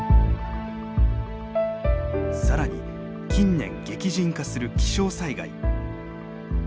更に近年激甚化する気象災害。